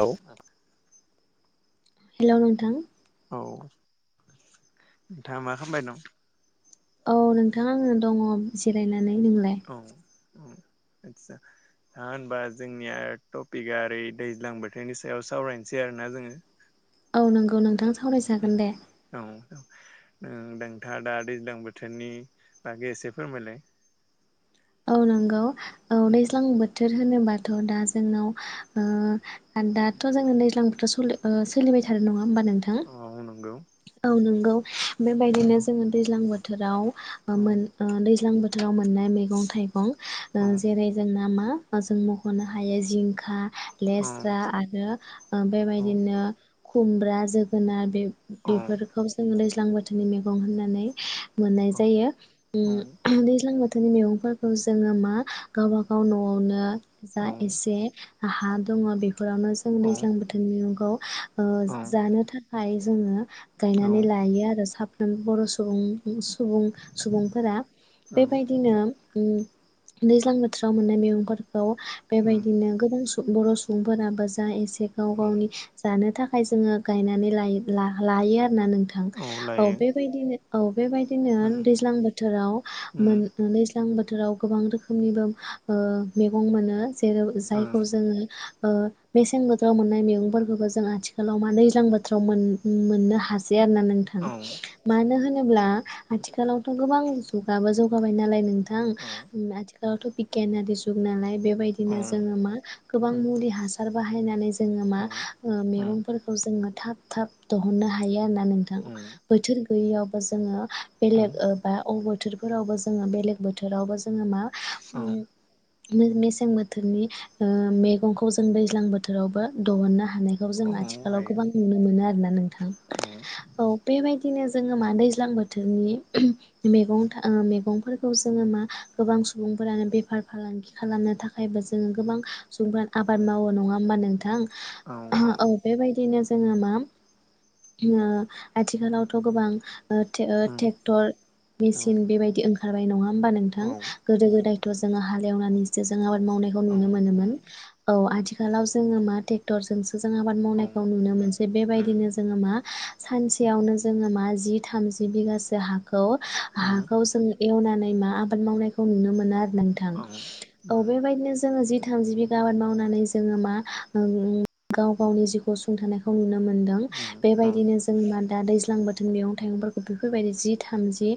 ओ ओग हेल' नोंथां औ नोंथाङा मा खामबाय दं? औ नोंथां आङो दङ जिरायना। औ अ आदसा हा होनबा जोंनिया टपिकआ ओरै दैज्लां बोथोरनि सायाव सावरायनोसै आरोना जोङो औ नंगौ नोंथां स उम औ औ ओ दां नोंथांङा दा दैज्लां बोथोरनि बागै एसे फोरमायलाय? औ नंगौ। औ दैज्लां बोथ थोर होनोबाथ' दा जोंनाव ओ ओन दाथ' जोङो दैज्लां बोथोर सलि ओ सोलिबाय थादो नङा होम होमबा नोंथां औ नंगौ औ नोंगौ। [inaudible] बेबायदिनो जोङो दैज्लां बोथ थोराव औ ओ मोन ओ दैज्लां बोथ थोराव मोननाय मेगं गं ओ औ जेरै जोंना मा? ओ जों मख'नो हायो जिंखा औ लेस्रा आरो ओ औ बेबायदिनो खुमब्रा, जोगोनार बे औ बेफोरखौ जोंङो दै ज्लां बोथोरनि मैगं होननानै मोननाय औ जायो ओम औ दैज्लां बो [unintelligible] खौ जोंङो मा गावबागाव न'आवनो जा औ एसे हा दङ बे फोरावनो जों दैज्लां बोथोरनि ओ जानो था खाइ जोंङो औ गायनानै लायो आरो सा ओं बर' सुबुं सुबुं-सुबुंफोरा औ बेबायदिनो उम दैज्लां बोथोराव मोननाय मैगंफोरखौ बेबायदिनो गोबां सु बर' सुबुंफोराबो जा ए से गाव औ गावनि जानो था खाय जोंङो गायनानै लायोब्ला लायो आरो ना नोंथां औ बेबायदिनो औ बेबायदिनो औ दैज्लां बोथोराव मोन [unintelligible] गोजां बोथोराव गोबां रोखोमनिबो ओ मेगं मोनो। जेराव जायखौ जोंङो ओ मेसें बोथोराव मोननाय मेगंफोरखौबो जों आथिखालाव मा दैज्लां बोथोराव मोन-मोननो हा सै आरोना नोंथां औ मानो होन होनब्ला आथिखालावथ' गोबां जुगाबो जौगाबाय नालाय नों थांओम आथिख दाथ' बिगियानारि जुग नालाय बेबायदिनो औ जोंङो मा गोबां औ मुलि हासार बाहायनानै जोंङो मा मैगंफोरखौ जोंङो थाब थाब दहननो हायो आ ना नोंथां बोथोर गैयैयावबो जोंङो बेलेग ओ बा [unintelligible] फोरावबो बेलेग बोथ थोरावबो जोंङो मा उ। नों मेसें बोथोरनि ओ मेगंखौ जों दैज्लां बोथोरावबो दहननो हा हानायखौ जों आथिखालाव गोबां नुनो मोनो आर ना नोंथा? औ बेबाय दिनो जोङो मा दैज्लां बोथोरनि मेगं ओ मेगंफोरखौ जोङो मा गोबां सुबुंफोरानो बेफार फालांगि खालामनो थाखायबो जोङो गोबां सुबुं [unintelligible] आबाद मावो नङा होमबा नों थां? [unintelligible] औ बेबायदिनो जोंहा मा ओ आथिखालावथ' गोबां ओ थे ओ थेक्टर मिसिन बेबायदि ओं खारबाय नङा ‌ होमबा नोंथां गोदो गोदायथ' जोङो हालेवनानैसो जों आबाद मावनायखौ नुनो मोनोमोन औ आथिखाल दालाव जोङो मा टेक्टरजों जों आबाद मावनायखौ नुनो मोनसै बेबायदिनो जोङो मा सानसेयावनो जोङो मा जि थामजि बिघासो हा खौ हाखौ जों एवनानै नै मा आबाद मावनायखौ नुनो मोनो आरो नोंथां औ बेबायदिनो जोङो जि थामजि बिघा आबाद मावनानै जोङो मा ओं गाव गावनि जिउखौ सुंथानायखौ नुनो मोनदों बेबायदिनो जों मा दा दैज्लां बोथ जों मेगं थाइगंफोरखौ बेफोरबायदि जि थामजि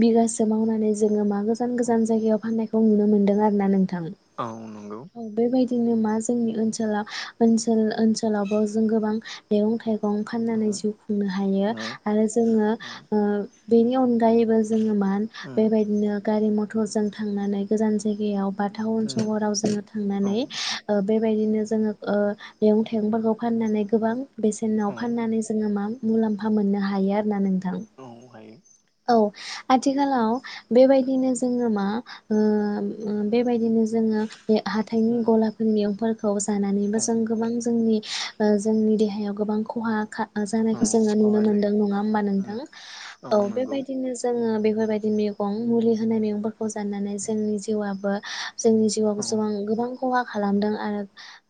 बिघास [unintelligible] मावनानै जोङो मा गोजान गोजान जायगायाव फाननाय खौ नुनो मोनदों आरोना नों [unintelligible] औ बेबायदि [unintelligible] मा जोंनि ओनसोलाव ओनसोल ओनसोलावबो जों गोबां मैगं थाइ गं फाननानै जिउ औ खुंनो हायो आरो जोङो ओ बेनि अनगायैबो जोङो मा बेबायदिनो गारि मथ थरजों थांनानै गोजान जायगायाव बा थाउन सहराव जोङो थांनानै ओ बेबायदिनो जोङो ओ मेगं थाइगंफोरखौ फाननानै गोबां बेसेनाव फाननानै जोङो मा मुलाम्फा मोननो हायो आरो ना नोंथां औ हायो औ आथिखालाव बेबायदिनो जोङो मा ओ बेबायदिनो जोङो बे हाथाइनि गलाफोरनि मैगं खौ जानानैबो जों गोबां जोंनि जोंनि देहायाव गोबां खहा जानायखौ जोङो नुनो मोन्दों नङा होमबा नोंदों औ बे बिदिनो जोङो बेफोरबायदि मैगं मुलि होनाय मैगंफोरखौ जाननानै जोंनि जिउआबो जोंनि जिउआव गोसेबां गोबां खहा खालामदों आरो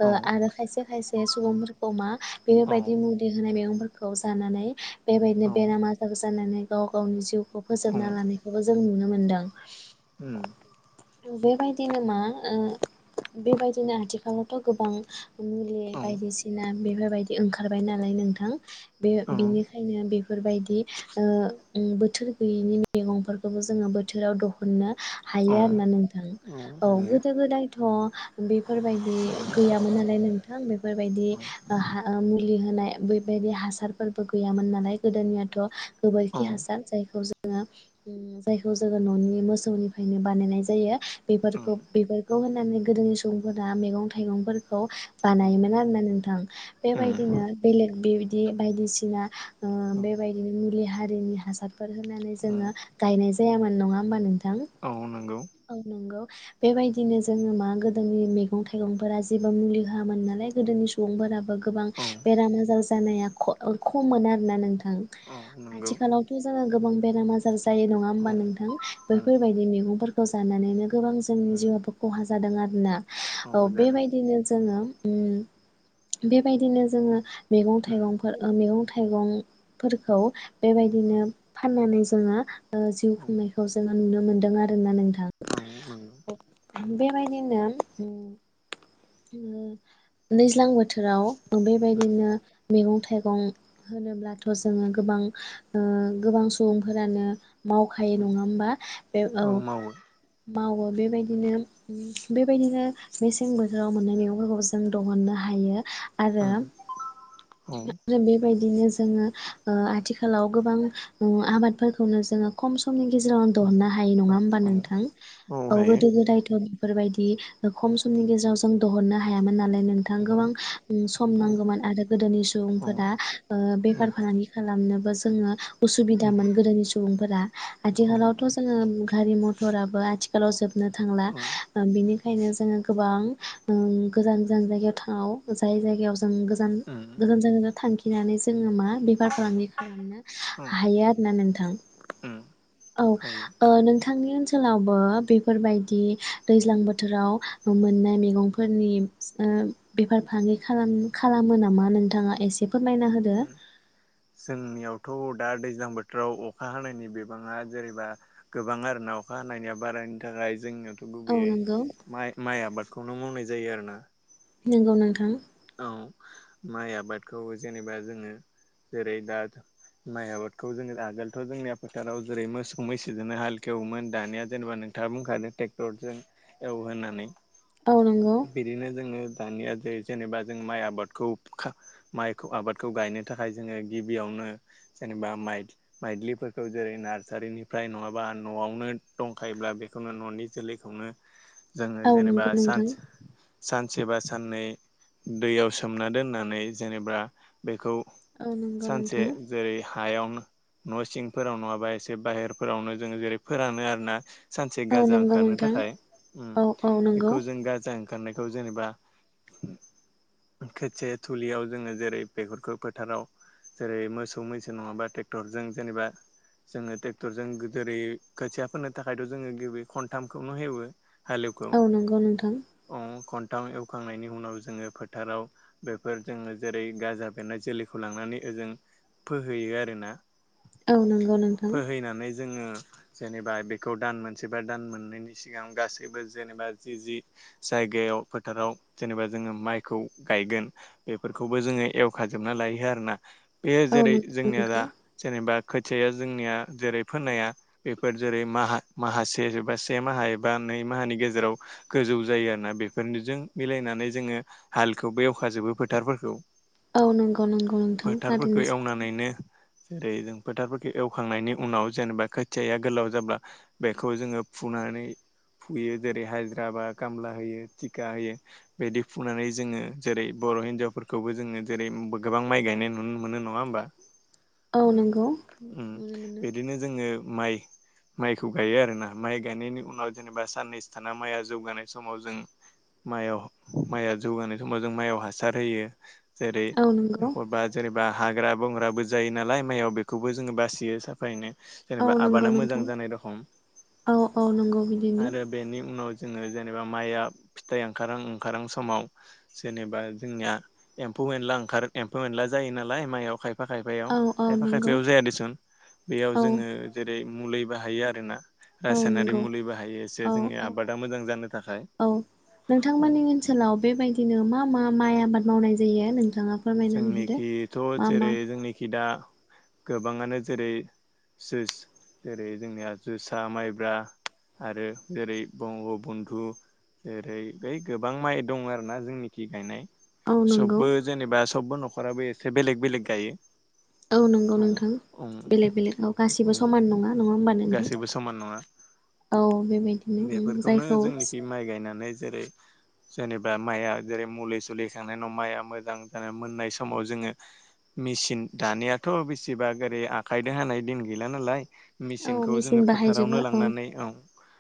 ओ आरो खायसे खायसे सुबुंफोरखौ मा बेफोरबायदि मुलि होनाय मैगंफोरखौ खौ जानानै बेबायदिनो बेरामा आजार जानानै गावखौ गावनो जिउ खौ फोजोबना लानायखौबो जों नुनो मोनो दों बेबायदिनो मा ओ बेबायदिनो आथिखालावथ' गोबां मुलि बायदिसिना बेफोरबायदि ओंखारबाय नालाय नोंथां बे बिनिखायनो बेफोरबायदि ओ‌ ओम बोथोर गैयिनि मैगंफोरखौबो जोङो बोथोराव दिहुननो औ नंगौ औ हायो आरोना नोंथां औ गोदो गोदायथ बेफोरबायदि गैयामोन नालाय नोंथां बेफोरबायदि ओ मुलि होन बेबायदि हासारफोरबो गैयामोन नालाय गोदोनियाथ' खि हासार जायखौ जों जायखौ जोङो न'नि मोसौनिफ्रायनो बानायनाय जायो बेफोरखौ बे खौ होननानै गोदोनि सुबुंफोरा मैगं थाइगंफोर खौ बानायोमोन आरोना नोंथां बेबायदिनो बेलेग बि बिदि बायदिसिना बेबायदिनो मुलि दैनि हासार फोर होनानै जोङो गायनाय जायामोन नङा होमबा नोंथां औ नंगौ बेबायदिनो जोङो मा गोदोनि मैगं थाइगंफोरा जेबो मुलि होआमोन नालाय गोदोनि सुबुंफोराबो गोबां बेराम आजार जानाया ख-अ- खमोन आरोना नोंथां। ं [inaudible] [unintelligible] नंगौ आथिखालावथ' जोङो गोबां बेराम आजार जायो नङा औ होमबा नोंथां औ बैफोरबायदि मैगंफोरखौ थ' जानानैनो गोबां जोंनि जिउआवबो खहा जा जादों आरोना। औ बेबायदिनो जोङो ओम बेबायदिनो जोङो मैगं औ थाइगंफोर ओ मैगं थाइगंफोरखौ बेबायदिनो फाननानै जोङो ओ जिउ खुंनायखौ जोङो नुनो मोनदों आरो ना नोंथां। औ नंगौ बेबायदिनो ओम ओम दैैज्लां बो थोराव ओ बेबायदिनो मैगं थाइगं होनोब्लाथ' जोङो गोबां ओ गोबां सुबुंफोरानो मावखायो नङा होमबा बे औ मावो बेबायदिनो ओम बेबायदिनो मेसें बो थोराव मोननाय मैगंफोरखौबो जों दहननो हायो। औ आरो औ जों बे बाय दिनो जोङो ओ आथि खालाव गोबां ओ आबाद फोरखौनो जोङो खम समनि गेजेरावनो दहननो हायो नङा होमबा नोंथां औ गोदो गोदायथ' बेफोरबायदि ओ खम समनि गेजेराव जों दहननो हायामोन होननानै नोंथां औ गोबां ओं सम नांगोमोन आरो गोदोनि औ सुबुंफोरा ओ बेफार फालांगि खालामनो बो जोङो उसुबिदामोन गोदोनि सुबुं फोरा आथिखालावथ' जोङो गारि म टराबो आथिखालाव जो बनो थांला। ओ बिनि खायनो जोङो गोबां ओं गोजान गोजान जायगायाव थाङाव जाय जायगायाव ओं गोजान [unintelligible] नानै जो ङो मा बेफार फालांगि खालामनो हायो आरोना नोंथां। औ ओ नों थांनि ओनसोलावबो बेफोरबायदि दैज्लां बोथोराव मोननाय मैगं फोरनि ओ बेफार फालांगि खालाम-खालामो नामा नोंथाङा एसे फोरमायना होदो। थ' दा दैज्लां बोथोराव अखा हानायनि बिबाङा जेरैबा गोबां आरो ना अखा हानायनिया बारायनो थाखाय जोंङो औ गुबैयै नंगौ। माइ-माइ आबाद खौनो मावनाय जायो आरो ना। नोंगौ नोंथां। औ, माइ आबादखौ जेनेबा जोङो जेरै दा माइ आबादखौ जोङो आगोलथ' जोंनिया फोथाराव जेरै मोसौ मैसोजोंनो हालखो एवोमोन दानिया जेनेबा नोंथाङा बुंखादों टेक्टरजों एवो होननानै औ नंगौ बिदिनो जोङो [unintelligible] जेनेबा जों माइ आबादखौ खा माइखौ आबादखौ गायनो थाखाय जोङो गिबियावनो जेनेबा माइ-माइद्लिफोरखौ जेरै नार्सारिनिफ्राय नङाबा न'आवनो दंखायोब्ला बेखौनो न'नि जोलैखौनो जोङो औ जेनेबा नंगौ नोंथां सानस सानसे बा साननै दैयाव सोमना दोननानै जेनेबा बेखौ औ नंगौ सानसे नोंथां। जेरै हायावनो न' सिंफोराव नङाबा एसे बाहेरफोरावनो जोङो जेरै फोरानो आरोना सानसे औ गाजा नंगौ ओंखारनो नोंथां थाखाय। उम, औ औ नंगौ बेखौ जों गाजा खारनायखौ जेनेबा खोथिया थुलियाव जोङो जेरै बेगरखौ फोथाराव जेरै मोसौ मैसो नङाबा ट्रेक्टरजों जेनेबा जोङो टेक्टरजों जेरै खोथिया थाखायथ' जोङो गिबि खनथामखौनो एवो। हेलौखौ औ नंगौ नोंथां अ [inaudible] थाम एवखांनायनि उनाव जोङो फोथाराव बेफोर जोङो जेरै गाजा बेरनाय जोलैखौ लांनानै ओजों फोहैयो आरोना। औ नंगौ नोंथां। फोहैनानै जोङो जेनेबा बेखौ दान मोनसेबा दान मोननैनि सिगां गासैबो जेनेबा जि जि जायगायाव फोथाराव जेनेबा जोङो माइखौ गायगोन बेफोरखौबो जोङो एवखाजोबना लायो आरोना। बेयो औ नंगौ जेरै-जोंनिया दा नोंथां जेनेबा। खोथिया जोंनिया जेरै-फोनाया बेफोर जेरै-माह माहासे एबा से माहा एबा नै माहानि गेजेराव गोजौ जायो आरोना बेफोरनिजों। मिलायनानै जोङो हालखौबो एवखाजोबो फोथारफोरखौ। औ नंगौ-नंगौ नोंथां थारैनो सैथो। जेरै-जों फोथारफोरखौ एवखांनायनि उनाव जेनेबा खोथियाया गोलाव जाब्ला बेखौ जोङो फुनानै फुयो जेरै हाजरा बा कामला होयो थिखा होयो। बिदि फुनानै जोङो जेरै बर' हिनजावफोरखौबो जोङो जेरै गोबां माइ गायनाय नुनो मोनो नङा होमबा? औ नंगौ ओम नुनो मोनो बिदिनो जोङो। माइ-माइखौ गायो आरोना माइ गायनायनि उनाव जेनेबा साननैसो थाना माइआ जौगानाय समाव जों। माइयाव माइआ जौगानाय समाव जों माइयाव हासार होयो। औ नंगौ जेरै-एखनबा जेरै- बा हाग्रा-बंग्राबो जायो नालाय माइयाव बेखौबो जोङो बासियो साफायैनो। औ जेनेबा नंगौ आबादा मोजां नोंथां जानाय रखम औ औ नंगौ बिदिनो आरो बेनि उनाव। जोङो जेनेबा माइआ। फिथाइ ओंखारां-ओंखारां समाव जेनेबा जोंनिया एम्फौ-एनला ओंखारो एम्फौ-एनला जायो नालाय माइआव खायफा। खायफा-खायफायाव औ औ नंगौ खायफा-खायफायाव जाया देसुन बेयाव औ जोङो जेरै- मुलि बाहायो आरोना। औ रासायनारि नंगौ मुलिबो हायो एसे औ जोंनि औ आबादा मोजां जानो थाखाय। औ नोंथांमोननि ओनसोलाव बेबायदिनो मा? मा-माइ आबाद मावनाय जायो नों? जोंनिखिथ' जेरै-जोंनिखि दा। गोबाङानो जेरै-जोस जेरै-जोंनिया जोसा, माइब्रा आरो जेरै-बंग' बन्धु जेरै- बै गोबां माइ दं आरोना जोंनिखि गायनाय। औ नंगौ सबबो जेनेबा। सबबो न'खराबो एसे बेलेग-बेलेग गायो। औ नंगौ उम नोंथां उम बेलेग-बेलेग औ गासिबो उम समान नङा-नङा होमबा नोंथां गासैबो समान नङा औ बेबायदिनो जायखौ। जेरै-जेनेबा माइआ जेरै-मुलि-सुलि होखांनायनि उनाव माइआ मोजां। दाना मोननाय समाव जोङो मेसिन दानियाथ' बेसेबा ओरै आखाइजों हानाय दिन गैला नालाय। औ मेसिनखौ मेचिन जोङो फोथारावनो बाहायजोबो लांनानै औ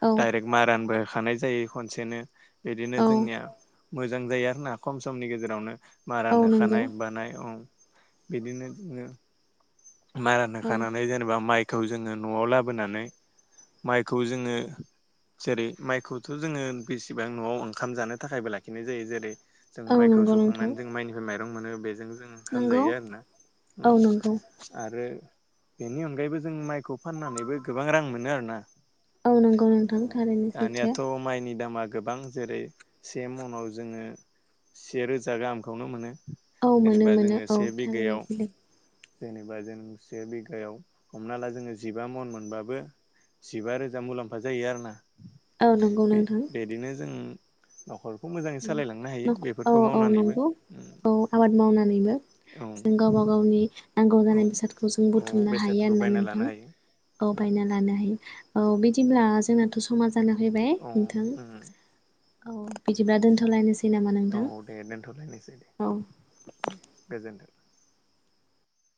औ दाइरेक्ट मारानबो। खानाय जायो खनसेनो। बिदिनो औ जोंनिया। मोजां जायो आरो ना खम समनि गेजेरावनो। औ मारान नंगौ होखानाय बानाय। बिदिनो जोङो। मारान औ होखांनानै जेनेबा माइ। खौ जोङो न'आव लाबोनानै माइखौ जोङो जेरै-माइखौथ' जोङो बेसेबां न'आव ओंखाम जानो थाखायबो लाखिनाय जायो जेरै- जोङो औ माइखौ नंगौ नोंथां सौखांनानै जों माइनिफ्राय माइ रं मोनो बेजों जों ओंखाम नंगौ जायो आरोना। उम औ नंगौ आरो बेनि अनगायैबो जों माइखौ फाननानैबो गोबां रां मोनो आरोना। औ नंगौ नोंथां औ थारैनो सैथो। दानियाथ' माइनि दामा गोबां जेरै से मनाव जोङो से रोजा गाहामखौनो मोनो। औ मोनो जेनेबा मोनो जोङो औ से थारैनो बिघायाव सैथो। जेनेबा जों से बिगायाव हमना ला जोङो जिबा मन मोनबाबो जिबा रोजा मुलाम्फा जायो आरो ना। औ नंगौ बे नोंथां बिदिनो जों न'खर उम [unintelligible] औ औ नंगौ औ आबाद मावनानैबो औ जों गावबा गावनि नांगौ औ जानाय बेसादखौ जों औ बुथुमनो हायो बेसादफोरखौ आरो ना बायना लानो नोंथां हायो औ बायना लानो हायो। औ बिदिब्ला जोङा थ' समा जाना फैबाय नोंथां। औ औ बिदि दिब्ला दोनथ'लायनो औ दे दोनथ'लायनोसै दे औ दे गोजोनथों।